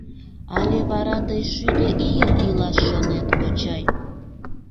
Але вара тый шӱдӧ ийым илаш шонет, кочай?